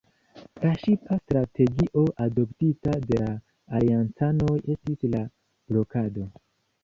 La ŝipa strategio adoptita de la aliancanoj estis la blokado.